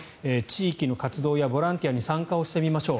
地域の活動やボランティアに参加をしてみましょう。